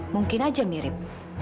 mungkin aja mirip